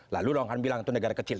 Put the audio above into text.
lalu orang akan bilang itu negara kecil